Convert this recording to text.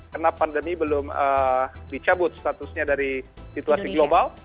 karena pandemi belum dicabut statusnya dari situasi global